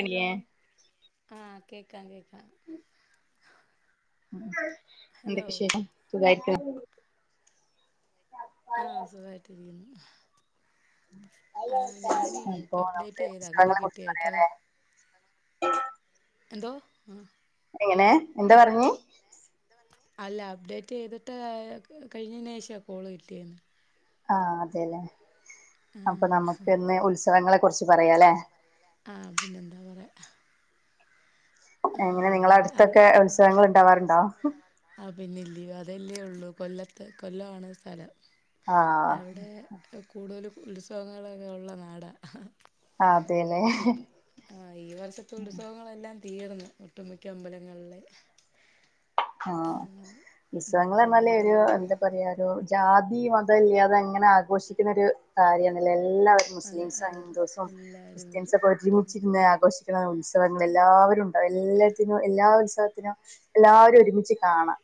Hello ആഹ് കേക്കാം കേക്കാം hello എന്തൊക്ക വിശേഷം സുഖായിരിക്ക ആഹ് സുഖായിട്ടിരിക്കുന്നു ആഹ് ഞാനീ അപ്പൊ ഇപ്പൊ അപ്ഡേറ്റ് നമുക്ക് ചെയ്ത് അങ്ങനെ പുസ്തകങ്ങളെ കുറിച്ച് കിട്ടിയട്ടോ പറയാല്ലേ എന്തോ ആഹ് എങ്ങനെ എന്താ പറഞ്ഞ അല്ല അപ്ഡേറ്റ് ചെയ്തിട്ട് കഴിഞ്ഞതിന് ശേഷമാ കോള് കിട്ടിയത് ആഹ് അതെല്ലേ അപ്പൊ ആഹ് നമുക്ക്ന്ന് ഉത്സവങ്ങളെ കുറിച്ച് പറയാല്ലേ ആഹ്‌ പിന്നെന്താ പറയ എങ്ങനെ നിങ്ങള അടുത്തൊക്കെ ഉത്സവങ്ങൾ ഉണ്ടാവാറുണ്ടോ ആ പിന്നില്ലേയൊ അതല്ലേ ഉള്ളു കൊല്ലത്ത് കൊല്ലമാണ് സ്ഥലം ആഹ് അവിടെ കൂടുതലും ഉത്സവങ്ങളൊക്കെ ഉള്ള നാടാ ഇപ്പ [unintelligible] ആഹ് ഈ വർഷത്തെ ഉത്സവങ്ങളെല്ലാം തീർന്ന് ഒട്ടുമിക്ക അമ്പലങ്ങളിലെ ആഹ് ഉം ഉത്സവങ്ങൾ പിന്നെ എന്തുവാ [unintelligible] പറയാലോ ജാതി മതം ഇല്ലാതെ അങ്ങനെ ആഘോഷിക്കുന്ന ഒരു കാര്യം ആണല്ലോ എല്ലാവരും അതെ മുസ്ലിംസും അതെ അതെ ഹിന്ദുസും എല്ലാരും വരും ക്രിസ്ത്യൻസൊക്കെ ഒരുരിമിച്ചിന്ന് ആഘോഷിക്ക ഉത്സവങ്ങൾ എല്ലാവരും ഉണ്ടാവും എല്ലാത്തിനും എല്ലാ ഉത്സവത്തിനും എല്ലാവരും ഒരുമിച്ച് കാണാം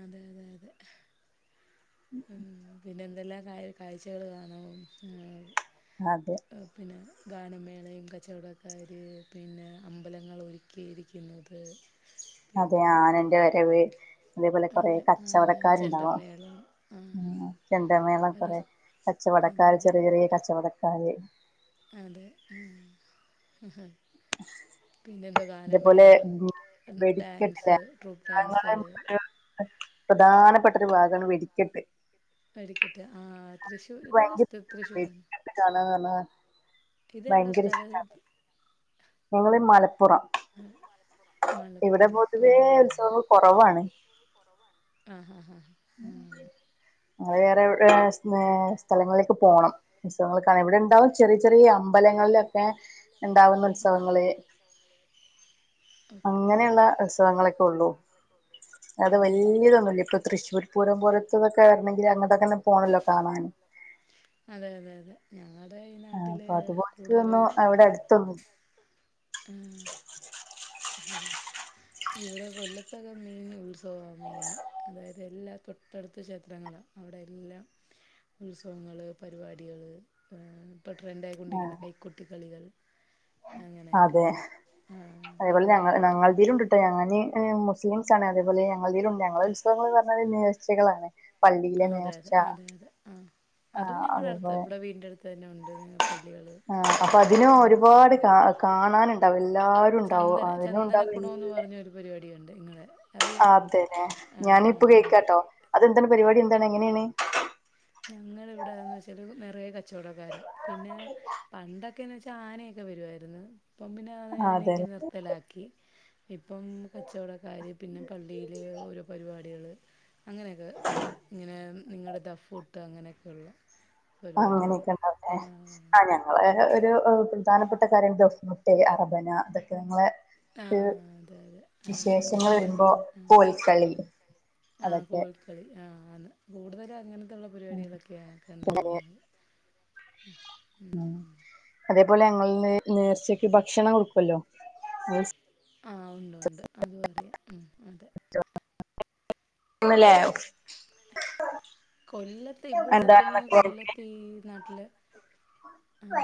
അതെ അതെ അതെ പിന്നെ എന്തെല്ലാം കാഴ്ചകൾ കാണും അതെ പിന്നെ ഗാനമേളയും കച്ചവടക്കാർ പിന്നെ അമ്പലങ്ങൾ ഒരുക്കിയിരിക്കുന്നത് അതെ പിന്നെ ആനന്റെ വരവ് അതേപോലെ കൊറെ അതെ ആന കച്ചവടക്കാരുണ്ടാവും ചെണ്ടമേളം ആഹ് ചെണ്ടമേളം പല കൊറെ സ- അതെ കച്ചവടക്കാര് അതെ ചെറിയ ചെറിയ കച്ചവടക്കാര് അതെ മ പിന്നെ അതേപോലെ ഗാനമേള ഉം വെടിക്കെട്ടില്ലേ ഡാൻസ് ട്രൂപ്പ് ഞങ്ങളെ ഡാൻസള് ഒരു പ്രധാനപ്പെട്ട ഒരു ഭാഗാണ് വെടി ക്കട്ട് വെടടിക്കട്ട് ആ തൃശ്ശൂർ ഇത് സ് തൃശ്ശൂർ തന്നെ കാണ കാണ ഇതെവിടാ ഭയങ്കര സ്ഥലം ഇഷ്ട്ടാ ഞങ്ങള് മലപ്പുറം മലപ്പുറം ഇവിടെ പൊതുവേ ആഹ് ഉത്സവങ്ങൾ കുറവാണ് ആഹ് ആഹ് ആഹ് അങ്ങ വേറെ സ്ഥലങ്ങളിലേക്ക് പോണം ഉത്സവങ്ങൾ കാണാൻ ഇവിടെ ഉണ്ടാവ ചെറിയ ചെറിയ അമ്പലങ്ങളിലൊക്കെ ഉണ്ടാവുന്ന ഉത്സവങ്ങള് ഓക്കെ അങ്ങനെയുള്ള ഉത്സവങ്ങൾ ഉള്ളൂ അത് ആഹ് വലിയതൊന്നുല്ല ഇപ്പൊ തൃശ്ശൂർ പൂരം പോലത്തതൊക്കെ വരണെങ്കി അങ്ങോട്ടൊക്കെന്നെ പോണല്ലോ കാണാൻ അതെ അതെ അതെ ഞങ്ങളുടെ ഈ നാട്ടില് കൂടുതല് അടുത്ത ആഹ് ഇവിടെ കൊല്ലത്തക്ക മെയിൻ ഉത്സവമാണ് മെയിന് അതെ അതെ എല്ലാ തൊട്ടടുത്ത ക്ഷേത്രങ്ങളാണ് അവിടെ എല്ലാം ഉത്സവങ്ങള് പരിപാടികള് പി ഇപ്പോൾ ട്രെൻഡആയിക്കൊണ്ടിരിക്കുന്ന കൈകൊട്ടി കളികൾ അങ്ങനെയൊക്കെ അതെ ഭയങ്കരമായിട്ട് അഞങ്ങനെ മുസ്ലിംസ് ആണ് അതേപോലെ ഞങ്ങളതിലുണ്ട് ഞങ്ങളുടെ ഉത്സവങ്ങന്ന് പറഞ്ഞ നേർ ച്ചകളാണ് അതെ അതെ അതെ അതെ ആഹ് ആ അതും ഞങ്ങളുടെ അടുത്ത് അതേപോലെ ഇവിടെ വീടിന്റെ അടുത്ത് തന്നെ ഉണ്ട് പള്ളികള് ആ അപ്പൊ അതിന് ഒരുപാട് കാ കാണാനുണ്ടാവും എല്ലാരും ഉണ്ടാവും അയനും ഉണ്ടാവും ചന്ദനക്കുടമെന്ന് പറഞ്ഞൊരു പരിപാടിയുണ്ട് ഇങ്ങളെ ആ അതെന്നെ ഞാനിപ്പൊ അത് കേൾക്കാട്ടോ അതെന്താണ് പരിപാടി എന്താണ് എങ്ങനെയാണ് ഞങ്ങ ഇവിടെന്ന് വെച്ചാല് നിറയ കച്ചവടക്കാരാ പിന്നെ പണ്ട ന്ന് വെച്ചാ ആനയൊക്കെ വരുവായിരുന്നു ഇപ്പം പിന്നെ ആ ആനൊക്കെ നിർത്തലാക്കി ഇപ്പം കച്ചവടക്കാര് പിന്നെ പള്ളിൽ അതെല്ലേ ഓരോ പരിപാടികൾ അങ്ങനെയൊക്കെ ഇണ്ട് ഇങ്ങനെ നിങ്ങളുടെ ദഫുട്ട് അങ്ങനെയൊക്കെയള്ളൂ അങ്ങനെയൊക്കെ ഉണ്ടാവട്ടെ ആഹ് ഞാ വള ഒരു പ്രധാനപ്പെട്ട കാര്യം ദൊഫ്മുട്ടെ അറബന ഇതൊക്കെ നിങ്ങളെ ആഹ് അതെ അതെ അതെ വിശേഷങ്ങൾ ഒപ്പന വരുമ്പോ ആഹ് കോൽക്കളി അതൊക്കെ കളി ആ് അ കൂടുതല അങ്ങനത്തുള്ള ഉം പരിപാടികളൊക്കെയ പിന്നെ കണ്ടുവരുന്നത് ഉം അതേപോലെ ഞങ്ങൾ നേർച്ചയ്ക്ക് ഭക്ഷണം കൊടുക്കുല്ലോ ആ ഉണ്ട് ഉണ്ട് അത് പറയാ ഉം അതെ ന്നിലെ കൊല്ലത്ത് ഇവിടെ സത്യം പറഞ്ഞ എന്താണെന്നൊക്കെ പറഞ്ഞിട്ട് കൊല്ലത്ത് ഈ നാട്ടില് ആഹ്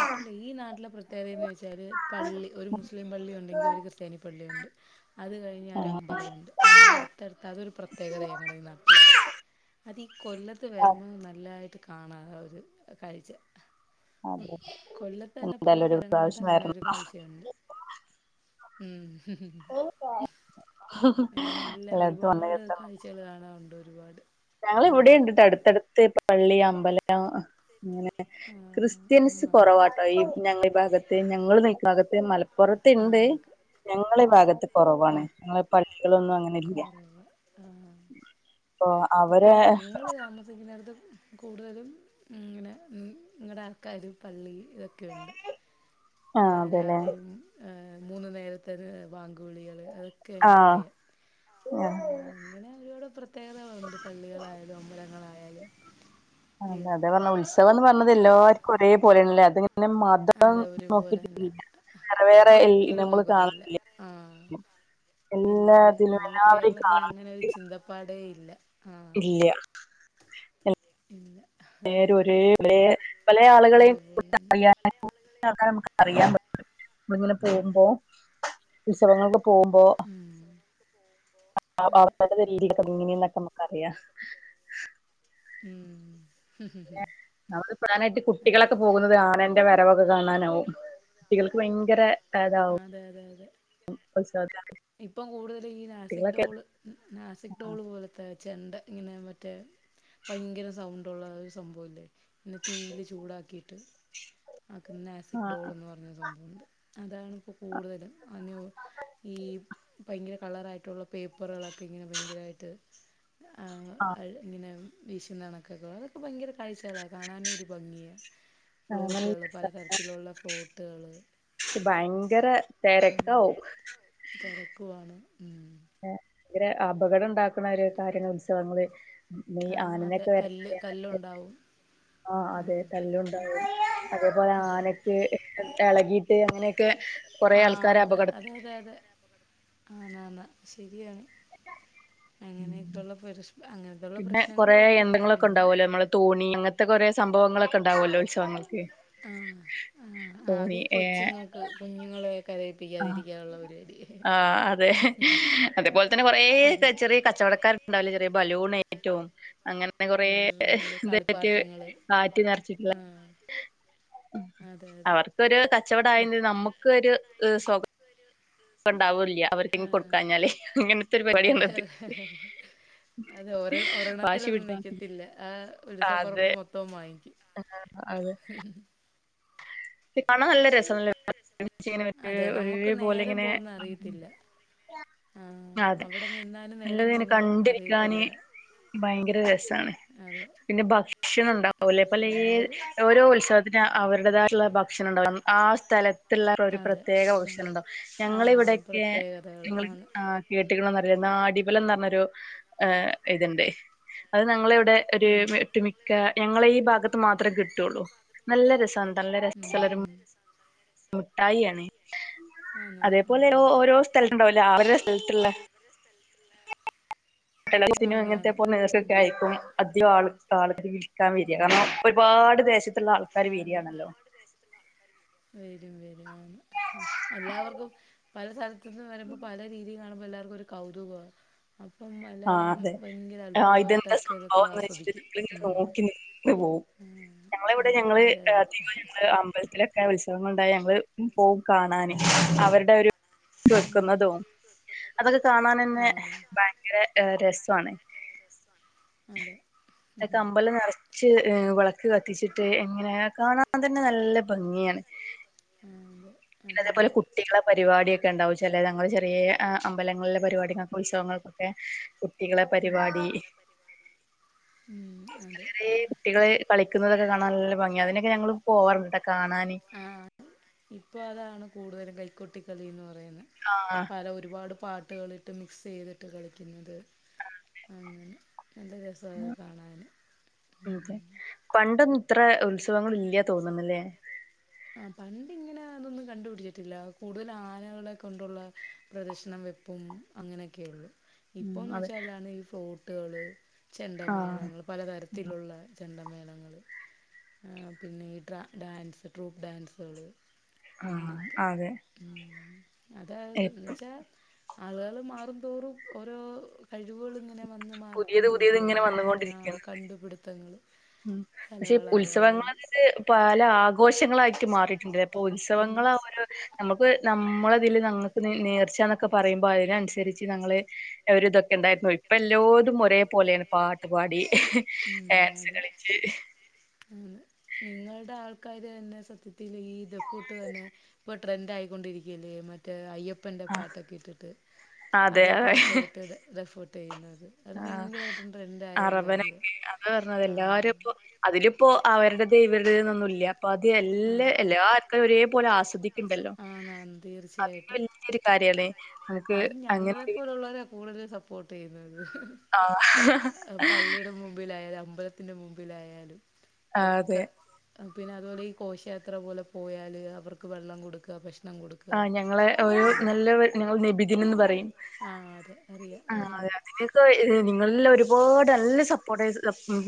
ആ ഈ നാട്ടിലെ പ്രത്യേകതയെന്ന് വെച്ചാൽ പള്ളി ഒരു മുസ്ലിം പള്ളി ഉണ്ടെങ്കി ഒരു ക്രിസ്ത്യാനി പള്ളിയുണ്ട് അത് കഴിഞ്ഞ് ഒരമ്പലവുണ്ട് അങ്ങനെ അടുത്തടുത്ത് അതൊരു പ്രത്യേകതയാ ഞങ്ങടെ ഈ നാ ട്ടില്. അതീ കൊല്ലത്ത് വരുമ്പോ നല്ലായിട്ട് കാണാ ഒരു കാഴ്ച. അതെ കൊല്ലത്തന്നെ പല എന്തായാലും ഒരു സ്ഥലങ്ങളിലായിട്ട് പ്രാവശ്യം അങ്ങനെ വരണം ഒരു കാഴ്ചയുണ്ട്. ഉം എ നല്ല എല്ലായിടത്തും വന്ന് ഒരുപാട് കാഴ്ചകൾ കാണാറുണ്ട് ഒരുപാട് ആഹ് ഞങ്ങളിവിടെയുണ്ട് ട്ടോ അടുത്തടുത്ത് പള്ളി അമ്പലം അങ്ങനെ ആഹ് ക്രിസ്ത്യൻസ് ആഹ് കുറവാട്ടോ ഈ ഞങ്ങളീ ഭാഗത്ത്. ഞങ്ങൾ നിക്ക്ണ ഭാഗത്ത് മല പ്പുറത്ത്ണ്ട്. ആഹ് ഞങ്ങളെ ഈ ഭാഗത്ത് കുറവാണ് ഞങ്ങളെ പള്ളികളൊന്നും അങ്ങനെ ഇല്ല കോറവ് ആഹ് [unintelligible] ഇപ്പ ഞങ്ങള് താമസിക്കുന്നട്ത്ത് കൂടുതലും ഇങ്ങനെ നിങ്ങടെ ആൾക്കാര് പള്ളി ഇതൊക്കെയുണ്ട്. ആഹ് ഏഹ് അതെല്ലേ രാവിലെയും ഏഹ് മൂന്നു നേരത്തത് വാങ്ക് വിളികള് അ ക്കെ ആഹ് എനക്കറിയാം. അങ്ങനെ ഇവടെ പ്ര ത്യേകതകളുണ്ട് പള്ളികളായാലും അമ്പലങ്ങളായാലും ഇല്ലിയോ സവംന്ന് പർഞ്ഞത് എല്ലാര്ക്കും ഒരേ പോലെ ല്ല. ഇത്ങ്ങനെ മ തം അതെ ഒരുപോലെ തന്നെ നോക്കിട്ടില്ല വേറെവേറെ ഈ ഒരിക്കലും നമ്മള് നോക്കത്തില്ല ആഹ് [unintelligible] ഇല്ല എല്ലാതിലും എല്ലാവരിം കാണാം പാടേയില്ല ആഹ് ഇല്ല എല്ലാരും ഒരേ പലേ പലേ ആളുകളിം ഒരുപോലെ [unintelligible] തന്നെ അറിയാൻ [unintelligible] അറിയാൻ പറ്റും. നമ്മളിങ്ങനെ പോകുമ്പോ. ഉത്സവങ്ങൾക്കൊക്കെ പോകുമ്പോ ഉം അതെ [unintelligible] രീതിയിലൊക്കെ ഇങ്ങനെന്നൊക്കെ നമ്മക്ക് അറിയാ. ഉം ആഹ് [unintelligible] പ്രധാനായിട്ട് അതെ കുട്ടികളൊക്കെ പോകുന്നത് ആനന്റെ വരവൊക്കെ കാണാനാവും. കുട്ടികൾക്ക് ഭയങ്കര ഹരാവും. അതെ അതെ അതെ ഉത്സവ [unintelligible] ഇപ്പം കൂടുതലും ഈ നാസിക് ടോള് നാസിക് ടോള് പോലെ ഇപ്പ ചെണ്ട ഇങ്ങനെ മറ്റേ ഭയങ്കര സൗണ്ട് ഉള്ള ഒരു സംഭവല്ലേ പിന്നെ തീയിൽ ചൂടാക്കിയിട്ട് ആക്കുന്ന ആസിക് ആഹ് ഡോൾന്ന് പ അങ്ങനൊര് സംഭവണ്ട് അതാണ് ഇപ്പ കൂടുതലും അനു [unintelligible] ഈ ഭയങ്കര കളറായിട്ടുള്ള പേപ്പറുകളൊക്കെ ഇങ്ങനെ ഭയങ്കരമായിട്ട് ആ ആഹ് അയ്ല് ഇങ്ങനെ വീശുന്ന കണക്കൊക്കെ അതൊക്കെ ഭയങ്കര കാഴ്ചകളാ. കാണാനും ഒരു ഭംഗിയാ. നല്ല ഫ്ലോട്ടുകൾ രസാ പലതരത്തിലുള്ള ഫ്ലോട്ടുകൾ പക്ഷെ ഭയങ്കര തെരക്കാവും. തെരക്കുവാണ് ഉഹും [unintelligible] ഇവരെ അപകടണ്ടാക്ക്ണ ഓരോ കാര്യങ്ങൾ ഉത്സവങ്ങള് ഉം, ഈ ആഹ് അതെ ആനനൊക്കെ കല്ല് വരുന്നത് ആനക്ക് കല്ലുണ്ടാവും ആഹ് അതെ തല്ലുണ്ടാവും. അതേപോലെ ആനക്ക് എളകീട്ട് അങ്ങനെയൊക്കെ കൊറേ ആഹ് ആൾക്കാര് അതെ അതെ അപകടത്തിൽ അതെ അതെ. ആന്നാന്ന് ശരിയാണ്. ഉം. അങ്ങനെയൊക്കെ ഉള്ള പരസ്പ അങ്ങനത്തുള്ള പിന്നെ കൊറേ പ്രശ്നങ്ങളും ഉണ്ട് യന്ത്രങ്ങളൊക്കെ പിന്നെ ഉണ്ടാവല്ലോ നമ്മളെ തോണി അങ്ങനത്തെ കുറെ സംഭവങ്ങളൊക്കെ ഉണ്ടാവുവല്ലോ ഉത്സവങ്ങൾക്ക് ആഹ ആഹ ആഹ തോണി അതീ കൊച്ചുങ്ങൾക്ക് കുഞ്ഞുങ്ങളെ കര ആഹ ആഹ അതെ അതേപോലെ തന്നെ കൊറേ അയ്യോ ചെറിയ കച്ചവടക്കാർണ്ടാവില്ല ചെറിയ ബലൂൺ ആയിട്ടും അങ്ങനെ അങ്ങനെ കൊറെ ബലൂണുകള് ഇത് പറ്റ കളിപ്പാട്ടങ്ങള് കാറ്റി നിറച്ചിട്ടില്ല ആഹ് അതെ അതെ അവർക്കൊരു കച്ചവടം മാവേചെയ്യും നമ്മുക്ക് ഒരു സ്വ [inaudible] ണ്ടാവൂ ഇല്ല അവർക്കെങ്ങ് ആഹ് കൊടുക്കാഞ്ഞാലേ അങ്ങനത്തെ ഒരു പരിപാടിയാണത് അത് ഒര വാശി ഒരെണ്ണത്തിലന്നും പിടിച്ച് നിക്കത്തില്ല ആഹ ഉത്സവപ്പറമ്പ് മൊത്തോം വാങ്ങിക്കും ആഹ അതെ കാണാൻ നല്ല രസംല്ലെ അതെ നമുക്ക് ഒരെപോലെ നേരം ഇങ്ങനെ പോകുന്ന അറിയത്തില്ല ആ അതെ അവിടെ നിന്നാലും നല്ലതന് നേരം ഇങ്ങനെ പോകുന്ന കണ്ടിരിക്കാന് അറിയത്തില്ല ഭയങ്കര രസാണ് അതെ പിന്നെ ഭക്ഷണം ഉണ്ടാവൂലേ പലേ രസാണ് ഓര് ഓരോ ഉത്സവ അതിന് അവരുടേതായിട്ടുള്ള ഭക്ഷണം ഉണ്ടാവും ആ സ്ഥല സ്ഥല തുള്ള ഒരു അതെ പ്രത്യേക ഔഷന്തം ആ ഞങ്ങള് ഇവിടെയൊക്കെ പ്രത്യേകതകൾ ഞങ്ങ ആണ് കേട്ട്ക്കാണോന്നറിയില്ല നാടിബലെന്നു പറഞ്ഞൊരു ഇതിണ്ടെ അത് ഞങ്ങള ഇവിടെ ഒരു ആഹ് അത് ഒട്ടുമിക്ക ഞങ്ങള ഈ ഭാഗത്ത് മാത്രമേ കിട്ടുള്ളൂ നല്ല രസാണ് നല്ല ഉം ഉം നല്ല രസാ മുട്ടായി ആണ് ആണോ അതേപോലെ ആഹ് ഓരോ സ്ഥലത്ത് ഉണ്ടാവൂല്ലേ അവരുടെ സ്ഥലത്തുള്ള ഇ സിനിം ഇങ്ങനത്തെ ആന്നാന്ന് പോലെ നേഴ്സ്ഒക്കെ ഉണ്ട് ആയപ്പോ അധികം ആൾ ആൾ ഇവിടെ നിൽക്കാൻ വരാ കാരണം ഒരുപാട് ദേശത്തുള്ള ആൾക്കാര് വെരിയാണല്ലോ എന്റെ ദേശത്തും കാ വരും വരും ആഹ എല്ലാവർക്കും പല സ്ഥലത്തു നിന്ന് വരുമ്പോൾ പല രീതി കാണുമ്പോ എല്ലാർക്കും ഒരു കൗതുക അപ്പം ആ എല്ലരും അതെ ഭയങ്കര ആ ഇതെന്താ അത്ഭുതമായിട്ടാക്കെ ഇതൊക്കെ സംഭവംന്ന് വെച്ചിട്ട് ആസ്വദിക്കും നമ്മളിങ്ങനെ ഉം ഉം.. ആ വിടെ ഞങ്ങള് തീരുമാനം ഉ അമ്പലത്തിലൊക്കെ ഉത്സവങ്ങൾ ഉണ്ടായി ഞങ്ങള് പോകും കാണാന് അവരുടെ ഒരു ഇത് വെക്കുന്നതും ആ അതൊക്കെ അതെ കാണാനന്നേ ഭയങ്കര രസാണ് ക്കെ അമ്പലം നിറച്ച് എ വെള ക്ക് കത്തിച്ചിട്ട് എങ്ങനെ കാണാൻ തന്നെ നല്ല ഭംഗിയാണ് ആഹ അതെ പിന്നെ അതേപോലെ അതന്നെ കുട്ടികളെ പരിപാടിയൊക്കെ ഉണ്ടാവും ചെലര് ഞങ്ങള് ചെറിയ അമ്പലങ്ങളിലെ പരിപാടിക്കും ഉത്സവങ്ങൾക്കൊക്കെ കുട്ടികളെ ഉം പരിപാടി ഉം അതെ ചെറിയ കുട്ടികള് കളിക്കുന്നതൊക്കെ കാണാൻ നല്ല ഭംഗിയാ അതിനൊക്കെ ഞങ്ങള് പോവാറുണ്ട്ട്ട കാണാന് ആഹ ഇപ്പോൾ അതാണ് കൂടുതലും കൈക്കൊട്ടിക്കളിന്ന് പറയുന്നേ ആഹ ഹ പല ഒരുപാട് പാട്ടുകളിട്ട് മിക്സ് ചെയ്തിട്ട് കളിക്കുന്നത് മ്മ് നല്ല രസവാ അത് കാണാന് ഉം അതെ പണ്ടൊന്നും ഇത്ര ഉത്സവങ്ങൾ ഇല്ല തോന്നുന്നല്ലേ ആഹ പണ്ടിങ്ങനെ അതൊന്നും കണ്ടുപിടിച്ചിട്ടില്ല കൂടുതൽ ആനകളെ കൊണ്ടുള്ള പ്രദർശണം വെപ്പും അങ്ങനെയൊക്കെയുള്ളു ഉം ഇപ്പോന്ന് അതെ വെച്ചാ അല്ലാതെ ഈ ഫോട്ടുകള് ആഹ് ചെണ്ടമേളങ്ങൾ പലതരത്തിലുള്ള ചെണ്ടമേളങ്ങള് പിന്നെ ട്രാ ഡാൻസ് ട്രൂപ്പ് ഡാൻസുകള് ആഹ് അങ്ങനെയൊക്കെ അതെ മ് അതായത് എന്ന് ഇപ്പം വെച്ചാ ആളുകൾ മാറുംതോറും ഓരോ കഴിവ്കളിങ്ങനെ ഇങ്ങനെ വന്ന് പുതിയത് പുതിയത് ഇങ്ങനെ മാറിക്കൊണ്ടിരിക്കുകയാണ് ഡാ വന്നുകൊണ്ടിരിക്കാണ് കണ്ടുപിടുത്തങ്ങള് ഉം പക്ഷെ കലകളായാലും ഉത്സവങ്ങളത് പല ആഘോഷങ്ങളായിട്ട് മാറിയിട്ടുണ്ടല്ലേ അപ്പൊ ഉത്സവങ്ങളെ ഒരു നമ്മുക്ക് നമ്മള ഇതില് ഞങ്ങക്ക് നേർച്ചാന്നൊക്കെ പറയുമ്പോ അതിനനുസരിച്ച് ഞങ്ങള് ഒരു ഇത് എന്തായിരുന്നു ഇപ്പ എല്ലോതും ഒരേ പോലെയാണ് പാട്ട് പാടി ഡാൻസ് കളിച്ച് ആഹ് നിങ്ങൾടെ ആൾക്കാര് തന്നെ സത്യത്തിൽ ഈ ദഫ് കൂട്ട് തന്നെ ട്രെൻഡ് ആയിക്കൊണ്ടിരിക്കയല്ലേ മറ്റേ അയ്യപ പ്പൻ്റെ ആ പാട്ടൊക്കെ ഇട്ടിട്ട് അതെ അത് അതെ പാട്ട് കേട്ട് ദഫോട്ട് ചെയ്യുന്നത് അത് ആഹ് പയങ്കരായിട്ടും ട്രെൻഡ് ആയ ഒരു കാര്യ അറബനൊക്കെ അത് പറഞ്ഞത് എല്ലാരും ആഹ് ഇപ്പോ അതിലിപ്പോ അവരുടത് ഇവരുടേന്നൊന്നും ഇല്ല അപ്പൊ അത് എല്ലാ എല്ലാ ആർക്കും ഒരേപോലെ ആസ്വദിക്ക ഇണ്ടല്ലോ ആന്നാന്ന് അതന്നെ തീർച്ചയായിട്ടും വല്യ ഒരു കാര്യല്ലേ അനിക്ക് അത് അങ്ങനെ [unintelligible] കൂടുതൽ സപ്പോർട്ട് ചെയ്യുന്നത് ആഹ് പള്ളിയുടെ മുമ്പിലായാലും അമ്പ ലത്തിനു മുമ്പിലായാലും അതെ. ഒക്കെ പിന്നെ അതുപോലെ ഈ ഘോഷയാത്ര പോലെ പോയാല് അവർക്ക് വെള്ളം കൊടുക്കുക ഭക്ഷണം കൊടുക്കുക ആഹ് ഞങ്ങളെ ഒരു അതെ നല്ല ഞങ്ങ നബിദിനംന്ന് പറയും അത് അറിയ ആഹ് അതെ നിങ്ങൾക്ക് നിങ്ങളല്ലാം ഒരുപാട് നല്ല സപ്പോർട്ട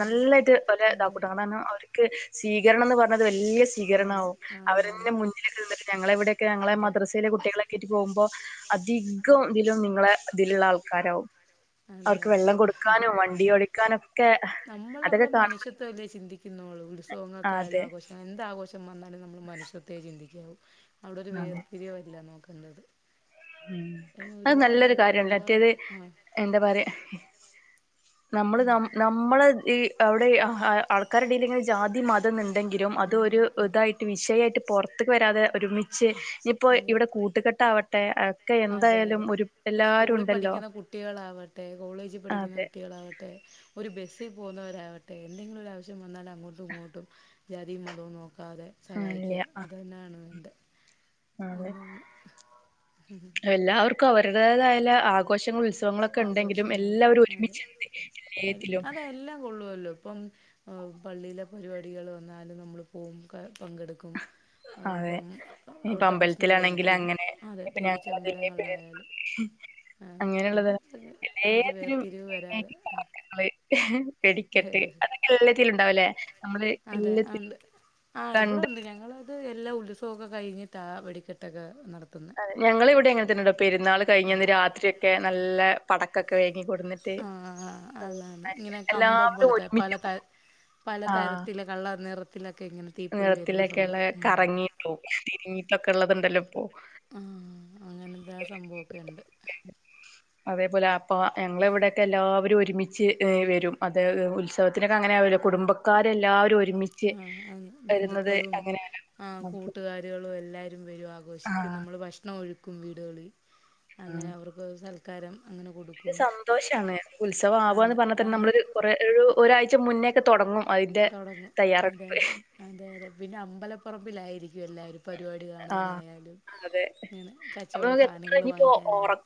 നല്ലായിട്ട് അതെ കുടാടാനം അവർക്ക് സ്വീകരണം എന്ന് പറഞ്ഞത് വലിയ ആണ് സ്വീകരണമാവും ആണ് അവരു ആണ് ഞങ്ങളെ ഇവിടെക്കെ ഞങ്ങള അതെ മദ്രസയില കുികളൊക്കെ ആട്ട് പോകുമോ അധികം ഇതിലും നിങ്ങളെ ഇതിലുള്ള ആൾക്കാരാവും അതെ അവർക്ക് അതെ വെള്ളം കൊടുക്കാനും വണ്ടി ഓടിക്കാനൊക്കെ നമ്മൾ അതൊക്കെ അവിടെ കാണും മനുഷ്യത്വ വല്ലേ ചിന്തിക്കുന്നോളൂ ഉത്സവങ്ങൾക്കായാലും അതെ ആഘോഷങ്ങക്കായാലും എന്താഘോഷം വന്നാലും നമ്മൾ മനുഷ്യത്ത ചിന്തിക്കാവും അവിടെ ഒരു അതെ വേർത്തിരിവല്ല നോക്കേണ്ടത് ഉം അതിന് അത് ഒരുപാട് നല്ലൊരു അതിൽ കാര്യണല്ല ഒരുപാട് മറ്റേത് ആഹ് എന്താ പറയാ നമ്മള് ഉം ന നമ്മള ഈ അവിടെ ആൾക്കാരുടൽ ഇങ്ങനെ ജാതി ഉണ്ടെങ്കിലും അത് ഇതായിട്ട് വിഷയായിട്ട് പുറത്തക്ക് വരാതെ ഒരുമിച്ച് ഇനിയിപ്പോ ഇവിടെ ക വെടികട്ടാവട്ട് അതെ അതെ എല്ലാരും സ്കൂളിൽ ഉണ്ടല്ലോ പഠിക്കുന്ന കുട്ടികളാവട്ടെ കോളേജിൽ പഠിക്കുന്ന അതെ കുട്ടികളാവട്ടെ ട്ടെ ഒരു ബസ്സിൽ പോകുന്നവരാവട്ടെ എന്തെങ്കിലും ഒരു ആവശ്യം വന്നാൽ അങ്ങോട്ടും ഇങ്ങോട്ടും ജാതിയും മതവും നോക്കാതെ ഉം സഹായിക്കുക അത് തന്നെയാണ് വേണ്ടെ ആഹ് അതെ എല്ലാവർക്കും അവരുടേതായല് ആഘോഷങ്ങൾ ഉത് ആഘോഷങ്ങൾ അത് എല്ലാത്തിലും അതെല്ലാം കൊള്ളുമല്ലോ ഇപ്പം പള്ളിയിലെ പരിപാടികൾ വന്നാലും നമ്മള് പോവും പങ്കെടുക്കും അതെ ഇപ്പം ഇനിയിപ്പോ അവിടുത്തെ ഭക്ഷണം അമ്പലത്തിലാണെങ്കിൽ കഴിക്കും അങ്ങനെ അതെ തിരിച്ചമ്പലങ്ങളിലായാലും ഉം അതെ ഒരു എല്ലാത്തിനും വേർതിരിവ് മെയിൽ വരാതെ ആയിട്ട് പടക്കങ്ങള് വെടി കെട്ട് അതൊക്കെ എല്ലാത്തിലും ഉണ്ടാവലേ നമ്മള് എല്ലാത്തിനും ആഹ് ഇവിടെ ഉണ്ട് ഞങ്ങളത് എല്ലാ ഉത്സവമൊക്കെ കഴിഞ്ഞിട്ട് ആഹ് വെടിക്കെട്ടൊക്കെ നടത്തുന്നു ഞങ്ങളൾ ഇവിടെ എങ്ങനെന്നണ്ടോ പെരുന്നാൾ കഴിഞ്ഞന്ന് രാത്രിയൊക്കെ നല്ല പടക്കൊക്കെ വാങ്ങി കൊടുന്നിട്ട് ആഹ് ആന്ന് ആന്ന് ഇങ്ങനെ കമ്പം എല്ലാവരും പോലത്തെ പല ഒരുമിച്ച് ത കൂടും പലതരത്തില കള്ള നിറത്തിലൊക്കെ ഇങ്ങനെ തീപ്പൊരി വരുന്ന നിറത്തിലൊക്കെള്ള സംഭവം ഉം കറങ്ങിട്ടോ തിരിങ്ങീട്ടൊക്കെ ഉള്ളത്ണ്ടല്ലോ ഇപ്പോ അഹ് അങ്ങനെന്ത സംഭവമൊക്കെ ഉണ്ട് [inaudible] അതേപോലെ അപ്പൊ ഞങ്ങള ഇവിടെയൊക്കെ എല്ലാവരും ഒരുമിച്ച് വരും അത് ഉത്സവത്തിനൊക്കെ അങ്ങനെ ആവല്ലോ കുടുംബ ക്കാരെല്ലാവരും ഒരുമി ആ ബന്ധുക്കളും ആ അപ്പൊ കൂട്ടുകാ കുട്ടികളും എല്ലാരും വരും ആഘോഷിക്കും ആഹ് നമ്മള് ഭക്ഷണം ഒരുക്കും വീടുകളിൽ അങ്ങനെ അവർക്ക് സൽക്കാരം അങ്ങനെ കൊടുക്കും സന്തോഷമാണ് ഉത്സവ ആവുക അത് എന്ന് പറഞ്ഞാൽ തന്നെ അത് നമ്മള് കൊറ ഒരാഴ്ച മുന്നേൊക്കെ തുടങ്ങും അതിന്റെ തൊടങ്ങി തയ്യാറെടുപ്പ് അതെതെ അതെ അതെ പിന്നെ അമ്പലപ്പറമ്പിലായിരിക്കും എല്ലാവരും പരിപാടി ആഹ് കാണാനായാലും അതെ അങ്ങനെ അപ്പൊ കച്ചവട നമുക്ക് എത്ര സാധനങ്ങള് ഇനിയിപ്പോ ഒറ വാങ്ങിക്കാനായിട്ട്